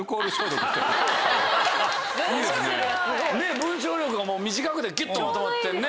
文章力が短くてキュっとまとまってんね。